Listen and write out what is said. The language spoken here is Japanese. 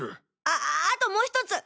ああともうひとつ。